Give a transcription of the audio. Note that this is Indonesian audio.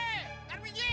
gue bikin perhitunganmu